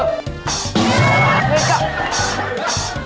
ไม่ต้อง